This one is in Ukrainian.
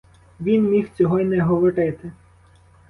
Він міг цього й не говорити.